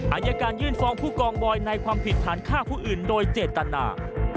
อายการยื่นฟ้องผู้กองบอยในความผิดฐานฆ่าผู้อื่นโดยเจตนา